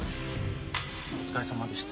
お疲れさまでした。